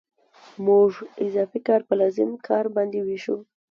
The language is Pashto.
موږ اضافي کار په لازم کار باندې وېشو